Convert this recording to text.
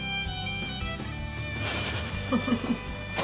フフフフ！